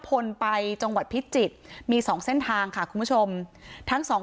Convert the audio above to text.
พลไปจังหวัดพิจิตรมีสองเส้นทางค่ะคุณผู้ชมทั้งสอง